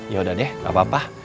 yaudah deh gak apa apa